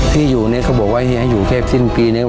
ที่อยู่เนี่ยเขาบอกว่าเฮียอยู่แค่สิ้นปีนี้